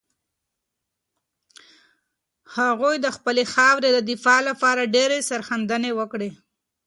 هغوی د خپلې خاورې د دفاع لپاره ډېرې سرښندنې وکړې.